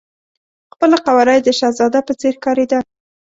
خپله قواره یې د شهزاده په څېر ښکارېده.